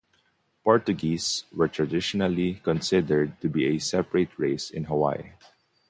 Portuguese were traditionally considered to be a separate race in Hawaii.